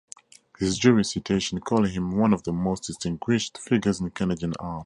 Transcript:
His jury citation called him one of the most distinguished figures in Canadian art.